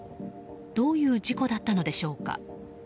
どういう事故だったのでしょうか。